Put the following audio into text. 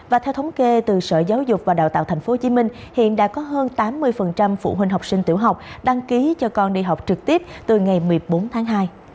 và theo thống kê từ sở giáo dục và đào tạo tp hcm hiện đã có hơn tám mươi phụ huynh học sinh tiểu học đăng ký cho con đi học trực tiếp từ ngày một mươi bốn tháng hai